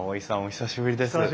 久しぶりですね。